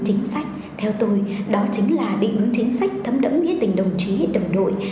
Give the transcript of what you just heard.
chính sách theo tôi đó chính là định hướng chính sách thấm đẫm nghĩa tình đồng chí đồng đội